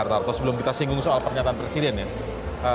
sebelum kita singgung soal pernyataan presiden ya